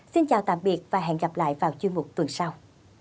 xin chào tạm biệt và hẹn gặp lại vào chương mục tuần sau